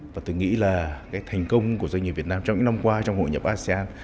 và tôi nghĩ là cái thành công của doanh nghiệp việt nam trong những năm qua trong hội nhập asean